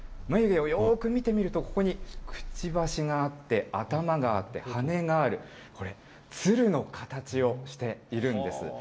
眉毛をよく見てみると、ここにくちばしがあって、頭があって、羽がある、これ、鶴の形をしているんです。